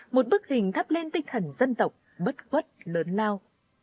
một bức hình thắp lên tinh thần dân tộc bất quất lớn lao